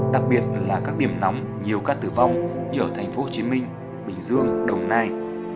đặc biệt là các điểm nóng nhiều ca tử vong như ở thành phố hồ chí minh bình dương đồng nai